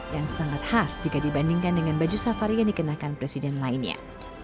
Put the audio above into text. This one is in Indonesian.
yang sangat khas jika dibandingkan dengan baju safari yang dikenakan presiden lainnya